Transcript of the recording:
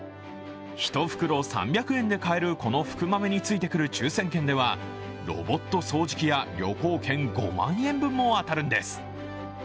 １袋３００円で買えるこの福豆についてくる抽選券ではロボット掃除機や旅行券５万円分も当たるんです。